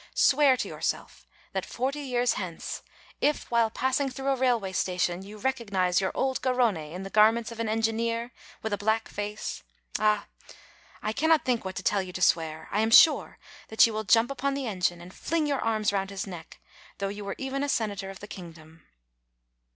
Swear to yourself that forty years hence, if, while passing through a railway station, you recognize your old Garrone in the garments of an engineer, with a black face, ah! I cannot think what to tell you to swear. I am sure that you will jump upon the engine and fling your arms round his neck, though you were even a sen ator of the kingdom.